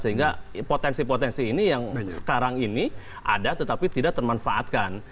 sehingga potensi potensi ini yang sekarang ini ada tetapi tidak termanfaatkan